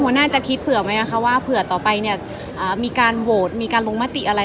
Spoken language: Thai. น่าจะคิดเผื่อไหมคะว่าเผื่อต่อไปเนี่ยมีการโหวตมีการลงมติอะไร